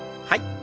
はい。